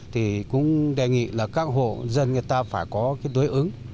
thì cũng đề nghị là các hộ dân người ta phải có cái đối ứng